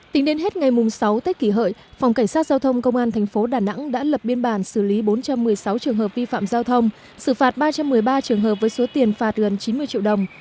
tính đến hết ngày sáu tết kỷ hợi phòng cảnh sát giao thông công an thành phố đà nẵng đã lập biên bản xử lý bốn trăm một mươi sáu trường hợp vi phạm giao thông xử phạt ba trăm một mươi ba trường hợp với số tiền phạt gần chín mươi triệu đồng